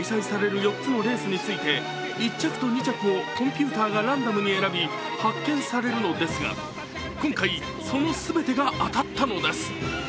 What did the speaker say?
４つのレースについて１着と２着がコンピューターがランダムに選び、発券されるのですが、今回、その全てが当たったのです。